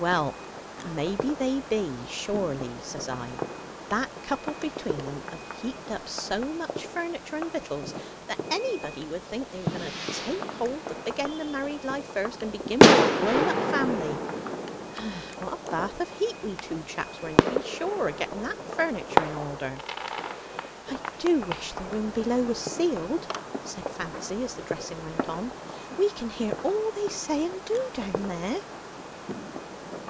"Well, may be they be. Surely," says I, "that couple between 'em have heaped up so much furniture and victuals, that anybody would think they were going to take hold the big end of married life first, and begin wi' a grown up family. Ah, what a bath of heat we two chaps were in, to be sure, a getting that furniture in order!" "I do so wish the room below was ceiled," said Fancy, as the dressing went on; "we can hear all they say and do down there."